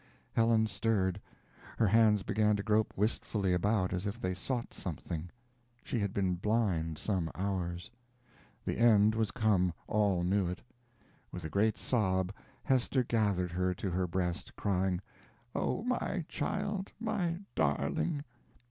Helen stirred; her hands began to grope wistfully about as if they sought something she had been blind some hours. The end was come; all knew it. With a great sob Hester gathered her to her breast, crying, "Oh, my child, my darling!"